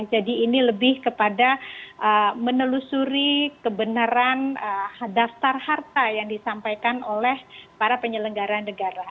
jadi ini lebih kepada menelusuri kebenaran daftar harta yang disampaikan oleh para penyelenggaran negara